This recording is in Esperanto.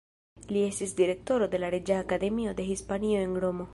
Li estis Direktoro de la Reĝa Akademio de Hispanio en Romo.